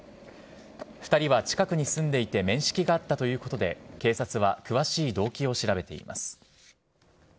２人は近くに住んでいて面識があったということで、警察は詳しい動機を調べています。